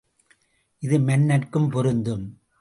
இது மன்னர்க்கும் பொருந்தும்.